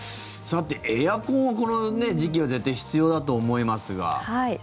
エアコンはこの時期は絶対、必要だと思いますが。